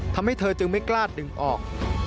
ทำให้เธอจึงไม่กล้าดึงออก